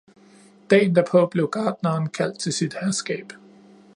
Dagen derpå blev gartneren kaldt til sit herskab